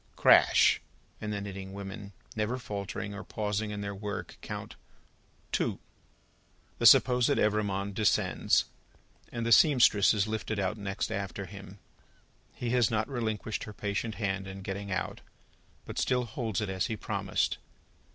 Crash! And the knitting women, never faltering or pausing in their Work, count Two. The supposed Evrémonde descends, and the seamstress is lifted out next after him. He has not relinquished her patient hand in getting out, but still holds it as he promised.